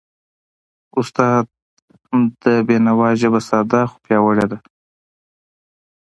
استاد د بینوا ژبه ساده، خو پیاوړی ده.